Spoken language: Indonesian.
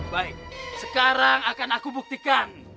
baik sekarang akan aku buktikan